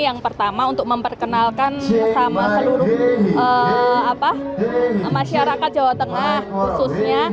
yang pertama untuk memperkenalkan sama seluruh masyarakat jawa tengah khususnya